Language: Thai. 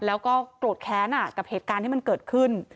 แล้วก็โกรธแค้นกับเหตุการณ์ที่มันเกิดขึ้น